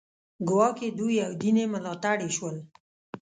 ګواکې دوی او دین بې ملاتړي شول